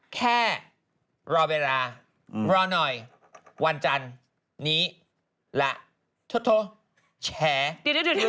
แค่รอเวลารอหน่อยวันจันทร์นี้ละโทรแฉเดี๋ยว